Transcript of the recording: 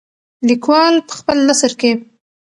لیکوال په خپل نثر کې.